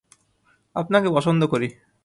আপনাকে পছন্দ করি।